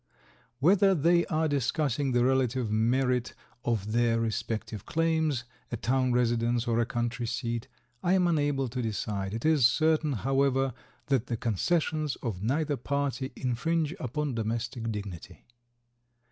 Whether they are discussing the relative merit of their respective claims, a town residence or a country seat, I am unable to decide; it is certain, however, that the concessions of neither party infringe upon domestic dignity.